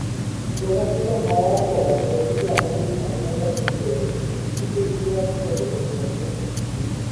প্রকাশিত হওয়ার পর বইটিকে অনেকেই স্বাধীনতা যুদ্ধের একটি বিকৃত ইতিহাস হিসাবে উল্লেখ করেছেন।